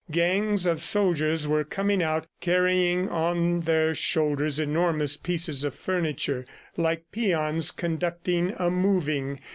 Gangs of soldiers were coming out carrying on their shoulders enormous pieces of furniture, like peons conducting a moving.